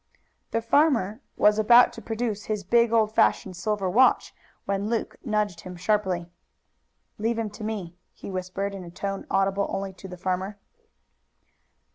The farmer was about to produce his big old fashioned silver watch when Luke nudged him sharply. "Leave him to me," he whispered in a tone audible only to the farmer.